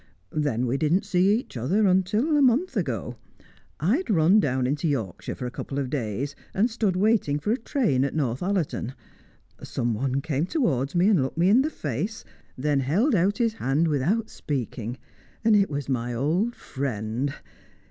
Then we didn't see each other again until a month ago I had run down into Yorkshire for a couple of days and stood waiting for a train at Northallerton. Someone came towards me, and looked me in the face, then held out his hand without speaking; and it was my old friend.